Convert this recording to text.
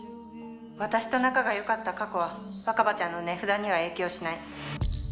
私と仲が良かった過去は若葉ちゃんの値札には影響しない。